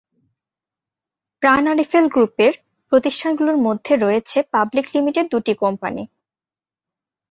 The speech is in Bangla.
প্রাণ-আরএফএল গ্রুপের প্রতিষ্ঠানগুলোর মধ্যে রয়েছে পাবলিক লিমিটেড দুটি কোম্পানি।